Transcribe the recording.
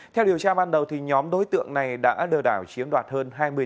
theo điều tra ban đầu nhóm đối tượng này đã lừa đảo